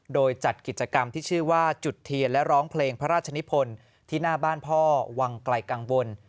โดยจัดกิจกรรมที่ชื่อว่าจุดเทียนและร้องเพลงพระราชนิพลที่หน้าบ้านพ่อวังไกลกังวล